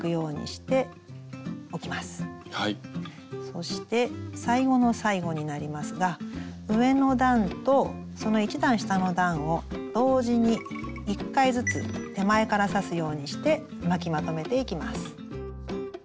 そして最後の最後になりますが上の段とその１段下の段を同時に１回ずつ手前から刺すようにして巻きまとめていきます。